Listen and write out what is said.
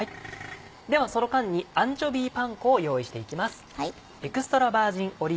ではその間にアンチョビーパン粉を用意していきます。